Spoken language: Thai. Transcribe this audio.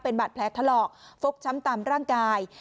เป็นบัตรแพ้ทะเลาะฟกช้ำตำร่างกาย